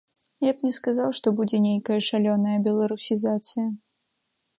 Я б не сказаў, што будзе нейкая шалёная беларусізацыя.